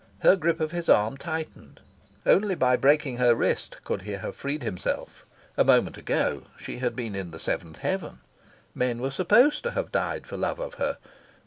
Her grip of his arm tightened. Only by breaking her wrist could he have freed himself. A moment ago, she had been in the seventh heaven... Men were supposed to have died for love of her.